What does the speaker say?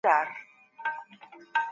غوسه بايد وپېژندل شي.